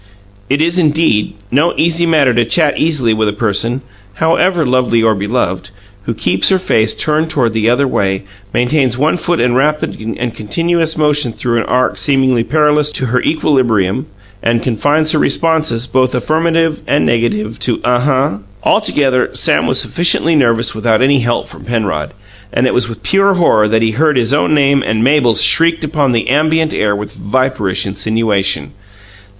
It is, indeed, no easy matter to chat easily with a person, however lovely and beloved, who keeps her face turned the other way, maintains one foot in rapid and continuous motion through an arc seemingly perilous to her equilibrium, and confines her responses, both affirmative and negative, to "Uh huh." Altogether, Sam was sufficiently nervous without any help from Penrod, and it was with pure horror that he heard his own name and Mabel's shrieked upon the ambient air with viperish insinuation.